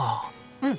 うん！